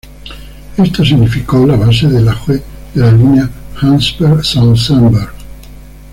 Esto significó la base del auge de la línea Hachberg-Sausenberg.